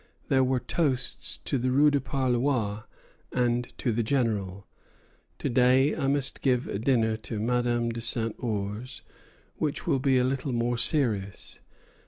There were toasts to the Rue du Parloir and to the General. To day I must give a dinner to Madame de Saint Ours, which will be a little more serious.